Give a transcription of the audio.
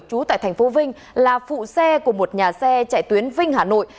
trú tại thành phố vinh là phụ xe của một nhà xe chạy tuyến vinh hà nội